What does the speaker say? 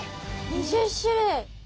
２０種類！